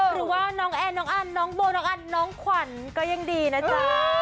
หรือว่าน้องแอร์น้องอันน้องโบน้องอันน้องขวัญก็ยังดีนะจ๊ะ